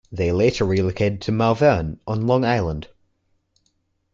They later relocated to Malverne, on Long Island.